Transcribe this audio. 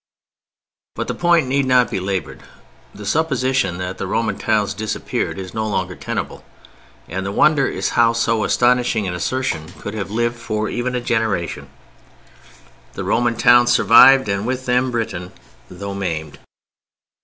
But the point need not be labored. The supposition that the Roman towns disappeared is no longer tenable, and the wonder is how so astonishing an assertion should have lived even for a generation. The Roman towns survived, and, with them, Britain, though maimed.